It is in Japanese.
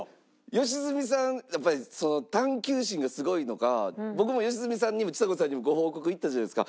やっぱり探究心がすごいのか僕も良純さんにもちさ子さんにもご報告行ったじゃないですか。